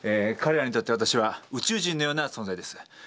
彼らにとって私は宇宙人のような存在です。